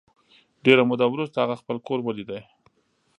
ډېره موده وروسته هغه خپل کور ولید